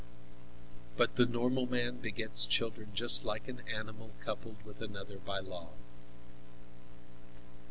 "But the normal man begets children just like an animal coupled with another by law.